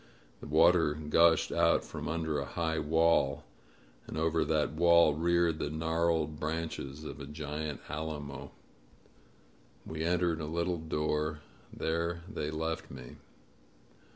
The water gushed out from under a high wall, and over that wall reared the gnarled branches of a giant alamo. We entered a little door ; there they left me.